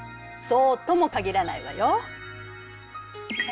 そうとも限らないわよ。